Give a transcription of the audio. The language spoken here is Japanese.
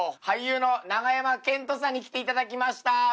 俳優の永山絢斗さんに来ていただきました。